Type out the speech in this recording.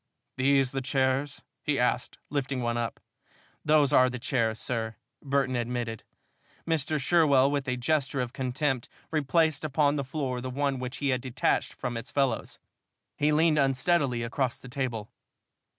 These the chairs?" he asked, lifting one up. "Those are the chairs, sir," Burton admitted. Mr. Sherwell, with a gesture of contempt, replaced upon the floor the one which he had detached from its fellows. He leaned unsteadily across the table.